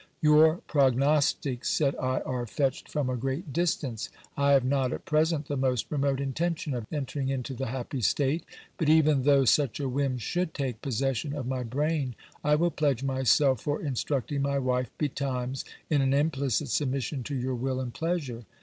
Your prognostics, said I, are fetched from a great distance. I have not at present the most remote intention of enter ing into the happy state : but even though such a whim should take possession of my brain, I will pledge myself for instructing my wife betimes in an implicit submission to your will and pleasure.